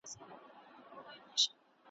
ښکلي خدای پیدا کړمه نصیب یې راکی ښکلی `